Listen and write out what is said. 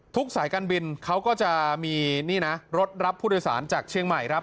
สายการบินเขาก็จะมีนี่นะรถรับผู้โดยสารจากเชียงใหม่ครับ